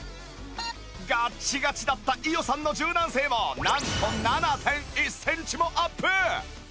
ガッチガチだった伊代さんの柔軟性もなんと ７．１ センチもアップ！